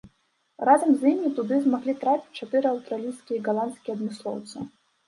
Разам з імі туды змаглі трапіць чатыры аўстралійскія і галандскія адмыслоўцы.